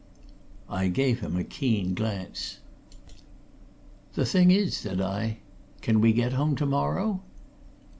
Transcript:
I gave him a keen glance. "The thing is," said I. "Can we get home tomorrow?"